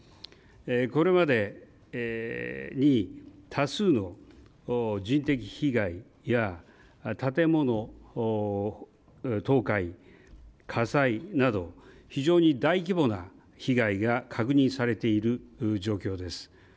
これまでに多数の人的被害や建物倒壊、火災など非常に大規模な被害が確認されている状況です。